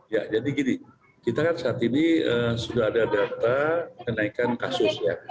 ya jadi gini kita kan saat ini sudah ada data kenaikan kasus ya